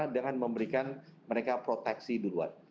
dengan memberikan mereka proteksi duluan